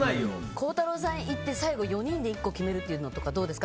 孝太郎さん行って最後４人で１個決めるっていうのはどうですか？